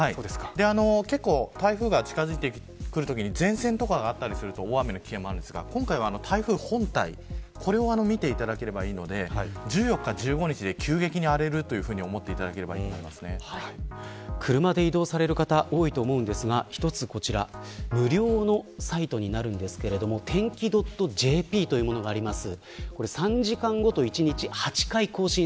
結構、台風が近づいてくるときに前線とかがあったりすると大雨の危険もあるんですが今回は台風本体を見ていただければいいので１４日、１５日で急激に荒れるというふうに思っていただければ車で移動される方は多いと思いますが一つこちら、無料のサイトになるんですけれどもｔｅｎｋｉ．ｊｐというものがあります。